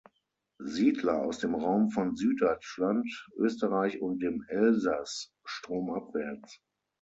Siedler aus dem Raum von Süddeutschland, Österreich und dem Elsass stromabwärts.